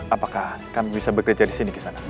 apakah kami bisa bekerja di sini